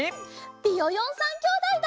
ビヨヨン３きょうだいだ！